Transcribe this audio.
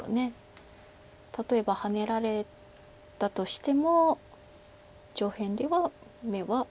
例えばハネられたとしても上辺では眼は。